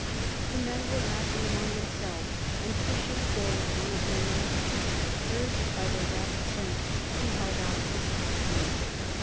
The men were laughing among themselves and pushing forward one of their number. Urged by their rapid French, he held out his cap to me.